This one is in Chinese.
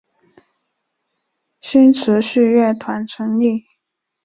新秩序乐团成立。